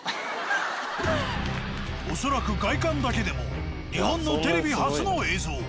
恐らく外観だけでも日本のテレビ初の映像。